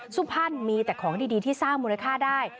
สุพรรณมีแต่ของดีที่สร้างมูลค่าได้